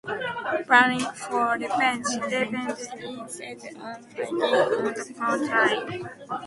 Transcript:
Burning for revenge, Ivan insists on fighting on the front line.